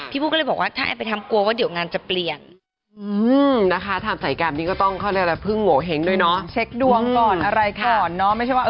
บู้ก็เลยบอกว่าถ้าแอนไปทำกลัวว่าเดี๋ยวงานจะเปลี่ยนนะคะ